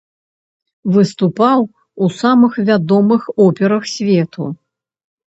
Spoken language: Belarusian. Выступаў у самых вядомых операх свету.